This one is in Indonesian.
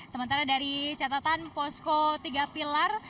sementara dari catatan posko tiga pilar